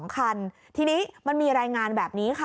๒คันทีนี้มันมีรายงานแบบนี้ค่ะ